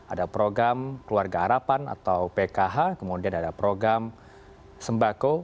ada program keluarga harapan atau pkh kemudian ada program sembako